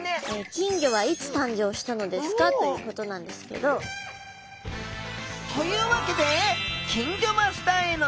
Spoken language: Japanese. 「金魚はいつ誕生したのですか？」ということなんですけど。というわけで金魚マスターへの道。